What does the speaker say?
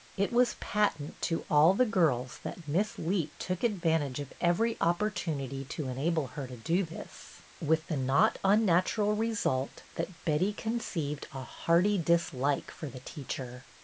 It was 2^atent to all the girls that Miss Leet took advantage of every opportunity to enable her to do this. BETTY BAIRD 114 with the not unnatural result that Betty con ceived a hearty dislike for the teacher.